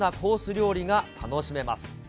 料理が楽しめます。